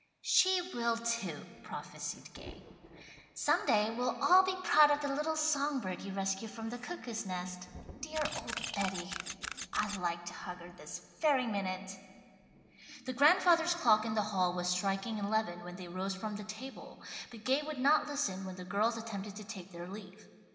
"She will, too," prophesied Gay. "Some day we'll all be proud of the little song bird you rescued from the Cuckoo's Nest. Dear old Betty! I'd like to hug her this very minute." The grandfather's clock in the hall was striking eleven when they rose from the table, but Gay would not listen when the girls attempted to take their leave.